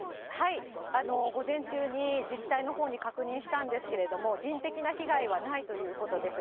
午前中に、自治体のほうに確認したんですけれども、人的な被害はないということです。